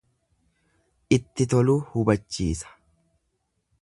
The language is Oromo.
Itti toluu hubachiisa.